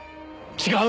違う！